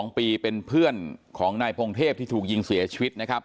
๒ปีเป็นเพื่อนของนายพงเทพที่ถูกยิงเสียชีวิตนะครับ